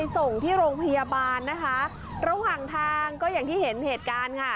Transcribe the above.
ส่งที่โรงพยาบาลนะคะระหว่างทางก็อย่างที่เห็นเหตุการณ์ค่ะ